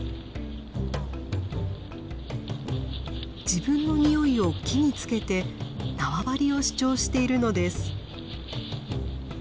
自分のにおいを木につけて縄張りを主張しているのです。